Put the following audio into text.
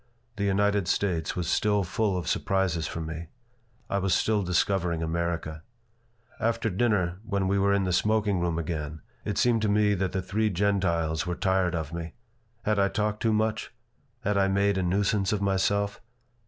The United States was still full of surprises for me. I was still discovering America After dinner, when we were in the smoking room again, it seemed to me that the three Gentiles were tired of me. Had I talked too much? Had I made a nuisance of myself?